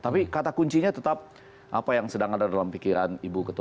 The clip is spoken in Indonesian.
tapi kata kuncinya tetap apa yang sedang ada dalam pikiran ibu ketua